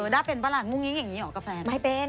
น่าเป็นภรรณงุวงิ๊งอยังงี้หรอกับแฟน